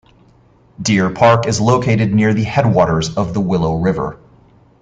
Deer Park is located near the headwaters of the Willow River.